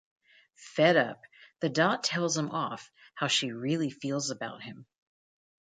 Fed up, the dot tells him off how she really feels about him.